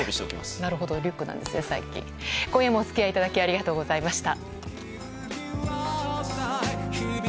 今夜もお付き合いいただきありがとうございました。